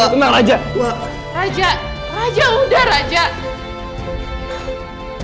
putri aku gak mau putri sayang